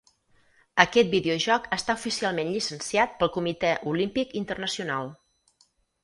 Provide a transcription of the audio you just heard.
Aquest videojoc està oficialment llicenciat pel Comitè Olímpic Internacional.